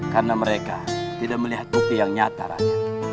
karena mereka tidak melihat bukti yang nyata raden